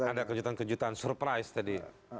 ada kejutan kejutan surprise tadi